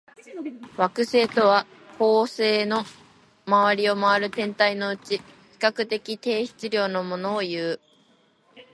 惑星とは、恒星の周りを回る天体のうち、比較的低質量のものをいう。